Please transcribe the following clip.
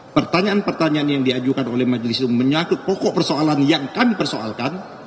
pertanyaan pertanyaan yang diajukan oleh majelis itu menyangkut pokok persoalan yang kami persoalkan